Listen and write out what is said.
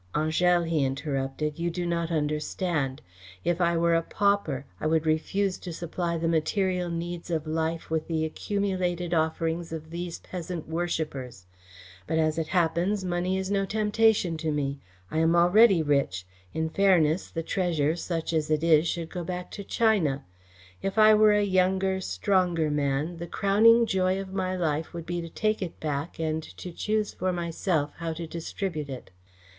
"Angèle," he interrupted, "you do not understand. If I were a pauper, I would refuse to supply the material needs of life with the accumulated offerings of these peasant worshippers. But as it happens, money is no temptation to me. I am already rich. In fairness the treasure such as it is should go back to China. If I were a younger, stronger man, the crowning joy of my life would be to take it back and to choose for myself how to distribute it.